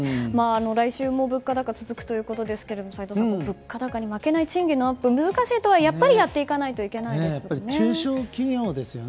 来週も物価高続くということですが齋藤さん、物価高に負けない賃金アップを難しいとはいえやっぱりやっていかないとですね。